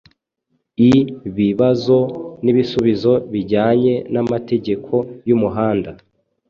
i bibazo n'ibisubizo bijyanye n'amategeko y'umuhanda